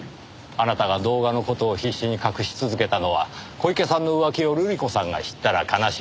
あなたが動画の事を必死に隠し続けたのは小池さんの浮気を瑠璃子さんが知ったら悲しむ。